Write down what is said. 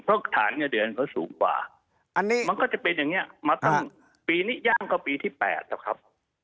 เพราะฐานเงินเดือนก็สูงกว่ามันก็จะเป็นอย่างนี้ปีนี้ย่างก็ปีที่๘ครับครับ